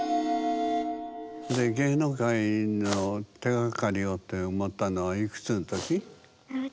で芸能界の手がかりをって思ったのはいくつの時？